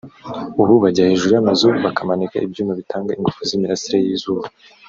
ubu bajya hejuru y’amazu bakamanika ibyuma bitanga ingufu z’imirasire y’izuba